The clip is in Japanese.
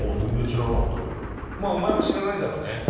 まぁお前は知らないだろうね。